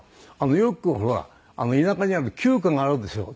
よくほら田舎にある旧家があるでしょ？